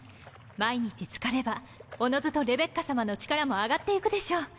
毎日漬かればおのずとレベッカさまの力も上がってゆくでしょう。